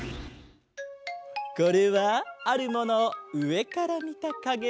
これはあるものをうえからみたかげだ。